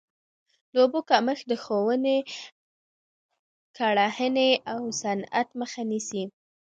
د اوبو کمښت د ښووني، کرهڼې او صنعت مخه نیسي.